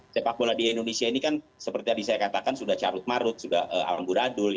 sepak bola di indonesia ini kan seperti tadi saya katakan sudah carut marut sudah alam buradul